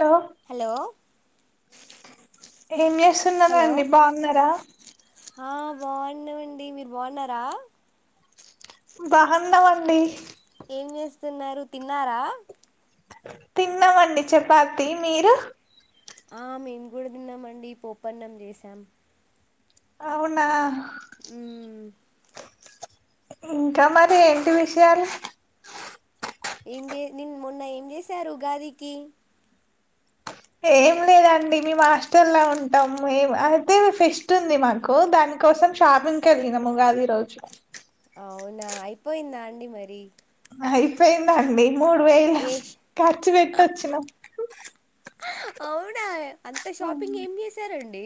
Hello hello ఏం చేస్తున్నారండి? బాన్నారా? హ బాగున్నామండి. మీరు బాగున్నరా? బాన్నమండి. ఏం చేస్తున్నారు? తిన్నారా? తిన్నామండి చపాతి. మీరు? ఆ మేము కూడా తిన్నామండి. పోప్పన్నం చేసాం. అవునా మ్ ఇంకా, మరి ఏంటి విషయాలు? ఇంగే నిన్ మొన్న ఏం చేశారు ఉగాదికి? ఏం లేదండి మేం హాస్టల్లో ఉంటాము. ఏమ్ అయితే, ఫెస్ట్ ఉంది మాకు. దానికోసం, షాపింగ్ కెళ్ళినాము ఉగాది రోజు. అవునా! అయిపోయిందా అండి మరి? అయిపోయిందండి. మూడు వేలు ఏ ఖర్చు పెట్టొచ్చినాం. అవునా! అంత షాపింగ్ ఏం చేశారన్ డి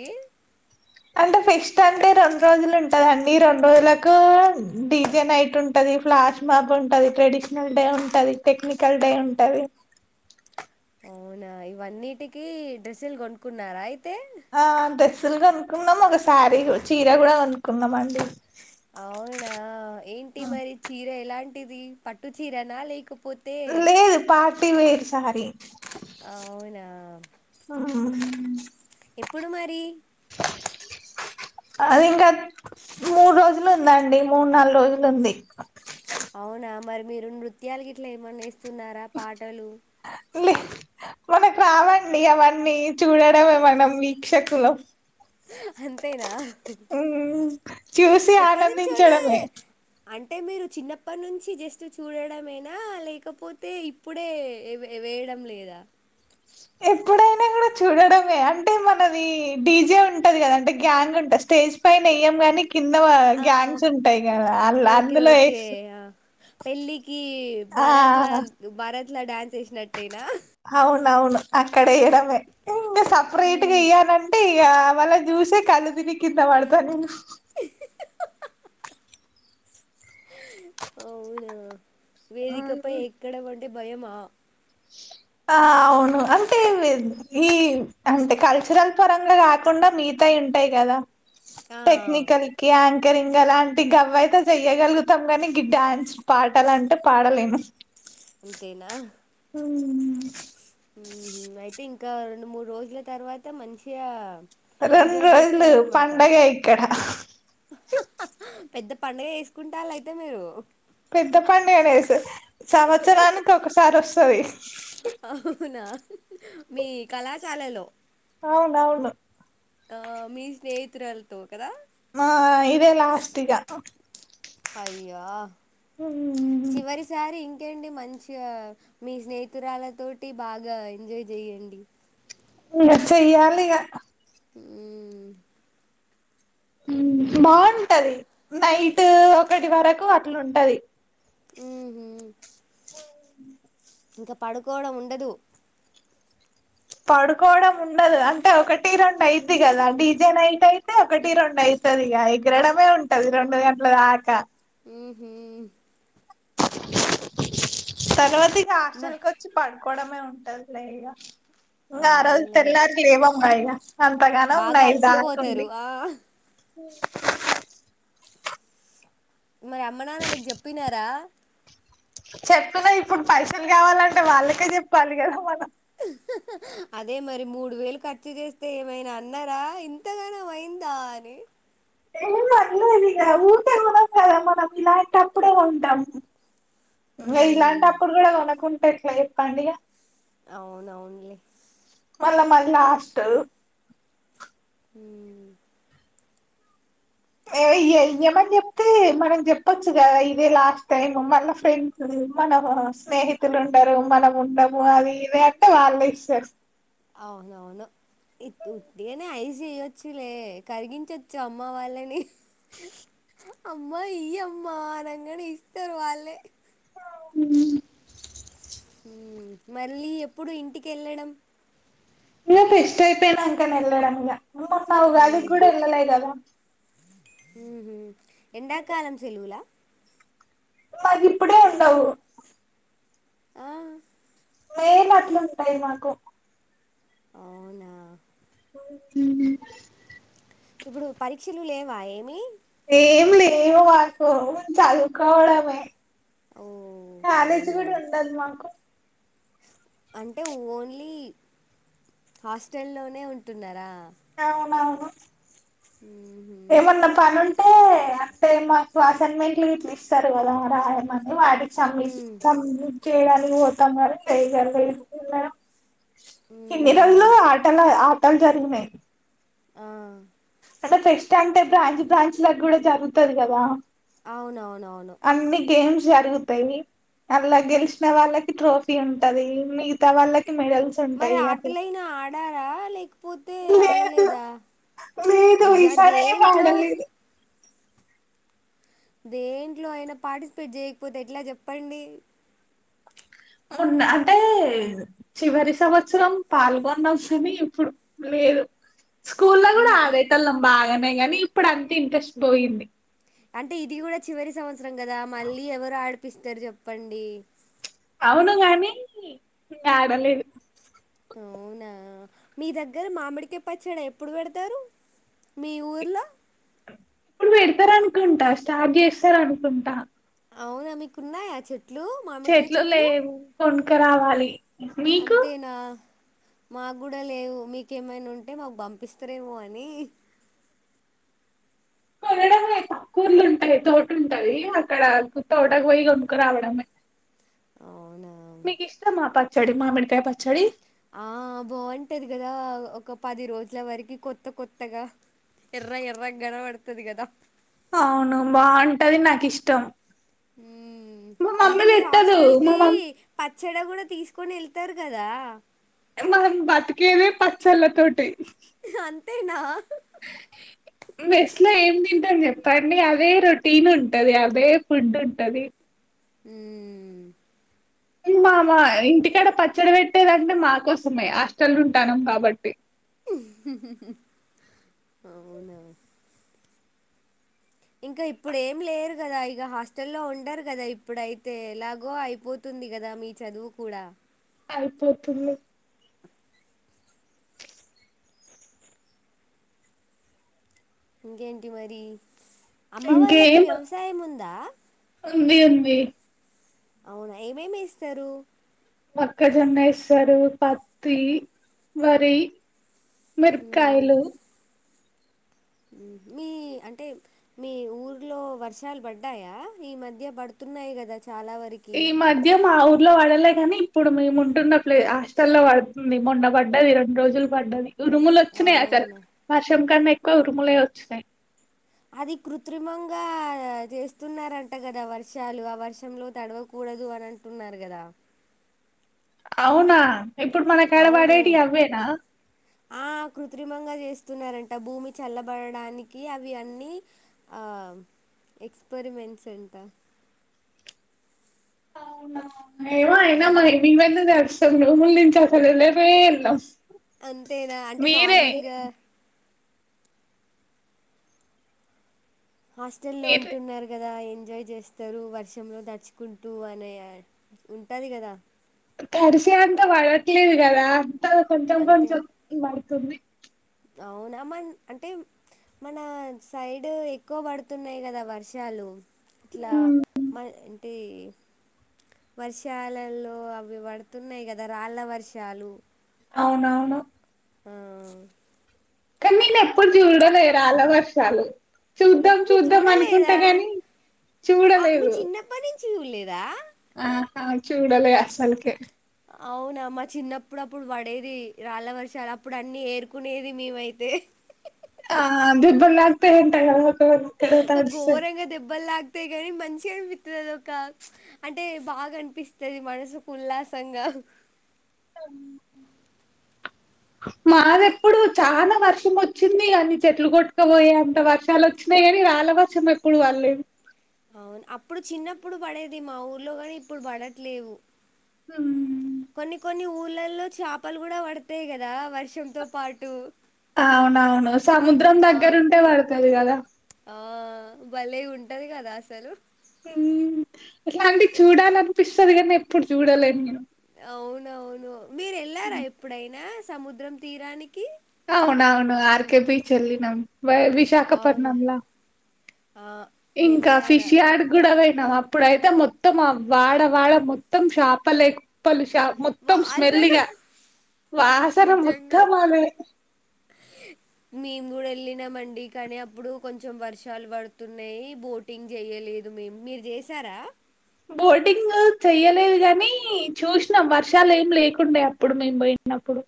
అంటె ఫెస్ట్ అంటె రొండు రోజులు ఉంటదండి. రొండు రోజులకు డిజే నైట్ ఉంటది. ఫ్లాష్ మబ్ ఉంటది. ట్రెడిషనల్ డే ఉంటది. టెక్నికల్ డే ఉంటది. అవునా ఇవన్నిటికిీ డ్రెస్సులు కొనుకున్నారా అయితే? ఆ డ్రెస్సులు కొనుకున్నాం ఒక స్యారీ గు, చీర కూడ కొనుకున్నాం అండి. అవునా ఏంటి మరి చీర ఎలాన్ టిది పట్టు చీరనా లేకప్ పోతె టి వేరు సారీ. అవునా! ఆ ఎప్పుడు మరి అది ఇంకా మూడు రోజులు ఉందండి. మూడు నాలుగు రోజులు ఉంది. అవునా మరి మీరు నృత్యాలకు ఇట్లా ఏమన్నా ఇస్తున్నారా పాటలు లే మనకు రావండి అవన్నీ చూడడమే మనం వీక్షకులం. అంతేనా చూసి ఎప్పటి నుంచోనే ఆనందించడమే అంటే మీరు చిన్నప్పటి నుంచి జస్ట్ చూడడమెనా లేకపోతే ఇప్పుడే వే వేయడం లేదా. ఎప్పుడైనా కూడా చూడడమే అంటే మనది డీజే ఉంటది కదా అండి. గ్యాంగ్ ఉంటంది స్టేజ్ పైనెయ్యం కానీ కింద వ ఆ, గ్యాంగ్స్ ఉంటాయి కదా అ అందులో పెళ్ళి కి ఆ భారత్లా భారత్ లడాన్ చేసినట్టేనా అవును అక్కడ ఎయడమే నుండే సపరేట్గా మ్మ్. ఏయ్యానంటే క్యా వాళ్ళను జూసే కళ్లు తిరిగి కింద పడతానేను. అవునా వేదికపై ఎక్కడ వం కి భయమా ఆ అవును అంటే ఈ అంటే కల్చరల్ పరంగా కాకుండా మిగతాయి ఉంటాయి కదా. ఆ, టెక్నికల్ క్యాన్ కెరిఇంగా లాంటి గవ్వ అయితే చెయ్యగలుగుతాం గానీ ఇంక డ్యాన్స్ పాటాలంటే పాడలేను. అంతేనా ఉమ్ ఉహు అయితే ఇంకా రెండు మూడు రోజుల తర్వాత మంచిగా రెండు ఎంజాయ్ రోజులు చేస్తారనమాట పండగ ఇక్కడ హు పెద్ద పండుగ చేసుకుంటాళ్ళ అయితే మీరు పెద్ద పండుగ అనేసు సంవత్సరానికి ఒకసారి వస్తది. అవునా మీ కళాశాలలో అవునవును ఆ మీ స్నేహితురాలతో కదా మా ఇదే లాస్ట్ ఇగ అయ్యా ఉహుహుహు ఇంకేటి మంచిగా మీ స్నేహితురాలతోటి బాగా ఎంజాయ్ చెయండి. ఇంగా చెయ్యాలి ఇగ ఊ మ్ బావుంటది నైట్ ఒకటి వరకు అట్లుంటది. ఉహు ఓ ఇంకా పడుకోవడం ఉండదు. పడుకోవడం ఉండదు అంటే ఒకటి రెండు అయిద్ది కదా. డీజే నైట్ అయితే ఒకటి రెండు అయితది ఇగ ఎగరడమే ఉంటది రెండు గంటల దాకా. ఉహుమ్ సగల మ హాస్టల్ కీ వచ్చి పడి కోవడమే టైపు వేరేగా ఇంకారోజు అవునులే తినడానికి లేద నోలుగుచ్ అంతగాన బాగా ఉన్నాయి అలసిపోతారు దకుండి ఆ మరి అమ్మ నాన్నలకి చెప్పినారా చెప్పిన ఇప్పుడు పైసలు కావాలంటే వాళ్ళకే చెప్పాలి కదా మనం అదే మరి మూడు వేలు ఖర్చు చేస్తే ఏమైనా అన్నారా ఇంతగాన అయింద అని ఏం అనలేదు ఇ ఊటే ఉన్నాం కదా మనం ఇలాంటప్పుడే కొంటాము మ ఇలాంటి మ్మ్. అప్పుడు కూడా అనకు ట్లాయి పడియా అవునవునులే మళ్ళా మళ్ళ లాస్ట్ హ్మ్ ఏ ఇయ్యమని చెప్తే మనం చెప్పచ్చు కదా ఇదే లాస్ట్ టైం మళ్ళ ఫ్రెండ్స్ మన స్నేహితులు ఉండరు మనం ఉండము అది ఇదే అంటే వాలే ఇస్తారు అవునవును ఉట్గానే ఐస్ చేయ్యొచ్చులే కరిగించచ్చు అమ్మ వాళ్ళని అమ్మా ఈ అమ్మ అనగానే ఇస్తారు వాళ్ళే ఉ మళ్ళీ ఎప్పుడు ఇంటికి వెళ్ళడం ఇప్ప ఇష్ట అయిపోయినా అంక న ఎల్లడంలా మెకట్లా కూడా ఎల్లా ఇా ఉహు ఎండకాలం సెలవులా మాకు ఇప్పుడే ఉండవు ఆ, మే నాటిలో ఉంటై మాకు అవునా హ ఇప్పుడు పరీక్షలు లేవా ఏమి ఏం లేవు వాసు చదువుకోవాలి ఓ కాలేజీ అవునా కూడా ఉండదు మాకు అంటే ఓన్లీ హాస్టల్ లోనే ఉంటున్నారా అవునవును కుప్పు ఏ మ్మ్హ్మ్. మన్న పను అంటే అంటే మాకు అసైన్మెంట్ ఇస్తారు కదా రాయమ అ అది చ మ్మ్. చేయడానికి పోతాన్నారు సైగారు మ హిందిలల్లో మ్మ్హ్మ్. ఆటల ఆ జరిగిన్నాయి ఆ అంటే ఫెస్ట్ అంటే బ్రాంచ్ బ్రాంచ్ లకు కూడా జరుగుతుంది కదా అవునవును అన్ని గేమ్స్ జరుగుతాయి అలా గెలిచిన వాళ్ళకి ట్రోఫీ ఉంటది మిగతా వాళ్ళకి మెడల్స్ మరి ఉంటాయి అట్లా ఆటలైనా ఆడారా లేకపోతే లేదు ఆడలేదా లేదు అయ్యా ఈసారి ఏం దేంట్లో ఆడలేదు దేంట్లో అయినా పార్టిసిపేట్ చేయకపోతే ఎట్లా చెప్పండి కొన్న అంటే చివరి సంవత్సరం పాల్గొన్నాం సని ఇప్పుడు లేదు స్కూల్ లో ఈ కూడా ఈ- ఆడేటోళ్లం బాగానే కానీ ఇప్పుడు అంత ఇంట్రెస్ట్ పోయింది అంటే ఇది కూడా చివరి సంవత్సరం కదా మళ్ళీ ఎవరు ఆడు ఇప్పిస్తారు చెప్పండి అవును గాని ఆడలేదు అవునా మీ దగ్గర మామిడికాయ పచ్చడా ఎప్పుడు పెడతారు మీ ఊర్లో ఇప్పుడు పెడతారు అనుకుంటా స్టార్ట్ చేస్తార అనుకుంటా అవునా మీకు ఉన్నాయా చెట్ చెట్లు లేవు కోన్ రావాలి మీకు అంతేనా మాకు కూడా లేవు మీకేమైనా ఉంటే మాకు పంపిస్తారేమో అని కొనడమే కూర్లు ఉంటాయి తోట ఉంటది అక్కడ తోటకు పోయి కొనుకు రావడమే అవునా మీకు ఇష్టం ఆ పచ్చడి మామిడికాయ పచ్చడి ఆ బాగుంటది కదా ఒక పది రోజుల వరకి కొత్త కొత్తగా ఎర్ర ఎర్రగ కనబడత కది కదా అవును బాగుంటది నాకు ఇష్టం మా అంటే మమ్మీ మీ పెట్టదు హాస్టల్ మా కి మమ్ పత్ చెడ కూడా తీసుకొని వెళ్తారు కదా మం బతికేది పచ్చళ్ళ తోటి అంతేనా ఇట్లా ఏం తింటని చెప్పండి అదే రొటీన్ ఉంటది అదే ఫుడ్ ఉంటది హు బమా ఇంటికాడ పచ్చడి పెట్టేదంటే మా కోసమే హాస్టల్ ఉంటానుం కాబట్టి అవునా ఇంకా ఇప్పుడు ఏమి లేరు కదా ఇక హాస్టల్లో ఉండరు కదా ఇప్పుడయితే ఎలాగో అయిపోతుంది కదా మీ చదువు కూడా అయిపోతుంది ఇంకేంటి మరి అమ్మ వాళ్ళకి ఇంకేం వ్యవసాయం ఉందా ఉంది ఉంది అవునా ఏమేమి ఎస్తారు మొక్కజొన్నెస్తారు పత్ మ్మ్ మిరపకాయలు మీ అంటే మీ ఊర్లో వర్షాలు పడ్డాయా ఈ మధ్య పడుతున్నాయి కదా చాలా వరకి ఈ మధ్య మావు పడలే కాని ఇప్పుడు మేము ఉంటున్న ప్లే హాస్టల్లో పడుతుంది మొండ పడ్డది రెండు రోజులు పడ్డది ఉరుములు వచ్చన్నాయి అసలు అవునా వర్షం కన్నా ఉరుములే వచ్చినాయి అది కృత్రిమంగా చేస్తున్నారంట కదా వర్షాలు ఆ వర్షంలో తడవకూడదు అని అంటున్నారు కదా అవునా ఇప్పుడు అవును మనకుడపడేటియి అవ్వేనా ఆ కృత్రిమంగా చేస్తున్నారంట భూమి చల్లబడడానికి అవి అన్నీ ఆ ఎక్స్పెరిమెంట్స్ అంట అవునా ఏమో ఆ అయినా మ మేమెందుకు తడిచ్ రూముల్నుంచి అసలు ఎల్లనే ఎల్లం అంతేనా అంటే నార్మల్గా హాస్టల్లో మీరు ఉంటున్నారు కదా ఎంజాయ్ చేస్తారు వర్షంలో తడుచుకుంటూ అనే ఉంటది కదా తడిసే అంత పడట్లేదు కదా కొంచెం అంతే కొంచెం పడుతుంది అవునా మ అంటే మన సైడ్ ఎక్కువ పడుతున్నాయి కదా వర్షాలు ఇట్లా ఉమ్, మ అంటే వర్షాలలో అవి పడుతున్నాయి కదా రాళ్ళ వర్షాలు అవునవును మ్మహ్ కానీ నే ప్పుడు చూడలే రాళ్ల వర్షాలు చాలు చూద్దాం మీరు చూద్దాం అనుకుంటా చూడలేదా గాని చూడలేవు చూల్లేదా ఆహా చూడాలే అసల్కే అవున మా చిన్నప్పుడు అప్పుడు పడేది రాళ్ళ వర్షాలు అప్పుడు అన్ని ఏరుకునేది మేమైతే ఆ దెబ్బలు తక్తాయి అంట కదా క్కడ తడుస తాయి కాని మంచిగనిపిస్తుంది ఒక అంటే బాగా అనిపిస్తుంది మనసుకు ఉల్లాసంగా మాదప్పుడు చాన వర్షం వచ్చింది అన్ని చెట్లు కొట్టుకపోయే అంత వర్షాలు వచ్చినాయి కాని రాళ్ళ వర్షం ఎప్పుడు పల్లేదు అవును అప్పుడు చిన్నప్పుడు పడేది మా ఊర్లో కానీ ఇప్పుడు పడట్లేవు ఉమ్ లల్లో చేపలు కూడా పడతాయి కదా వర్షంతో పాటు అవునవును సముద్రం ఆ! దగ్గర ఉంటే పడుతది కదా ఆ భలే ఉంటది కదా అసలు అట్లాంటివి చూడాలనిపిస్తుది కానీ ఎప్పుడు చూడలేను నేను అవునవును మీరు వెళ్లారా ఎప్పుడైనా సముద్రం తీరానికి అవునవును ఆర్కె బీచ్ వెళ్లినం వ అవునా? విశాఖపట్నంలా ఆ! ఇంకా వెళ్ళారా? ఫిష్ యార్డ్ కూడా అప్పుడైతే మొత్తం ఆ వాడవాడ మొత్తం చాపలే కుప్పల్ మొత్తం వాసన స్మెల్లిగా వాసన నిజంగా. మొత్తం అదే మేము కూడా వెళ్ళినామండి కానీ అప్పుడు కొంచెం వర్షాలు పడుతున్నాయి బోటింగ్ చేయలేదు మేము మీరు చేసారా బోటింగ్ చెయ్యలేదు కానీ చూసినాం వర్షాలు ఏం లేకుండే అప్పుడు మేము పోయినప్పుడు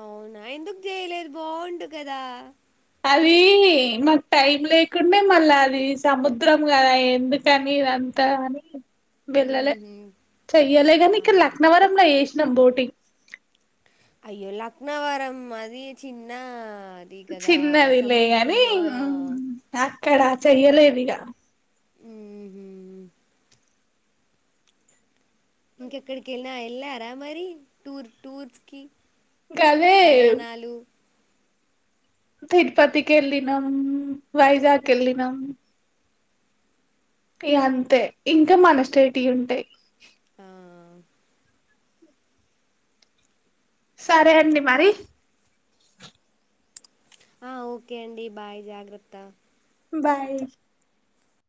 అవునా ఎందుకు చేయలేదు బావుండు కదా అది మాకు టైం లేకుండే మళ్ళా అది సముద్రం కదా ఎందుకని ఇదంత అని వెళ్ళలే హుహు. చెయ్యలే కానీక్క అవును. లక్నవరం చెశ్ బోటింగ్ అయ్యో లక్నవరం అది చిన్న అది కదా చిన్నది లే సముద్రం గాని ఆ. అక్కడ చెయ్యలేవియా మ్మ్. ఇంకెక్కడికైన వెళ్ళా ద మరి టూర్ టూర్స్ కి గదే ప్రయాణాలు తిరుపతికిెళ్ళినం వైజాగ్ వెళ్ళినం ఇగ అంతే ఇంకా మన స్టేట్ ఉంటాయి ఆ సరే అండి మరి ఆ ఓకే అండి బాయ్ జాగ్రత్త బాయ్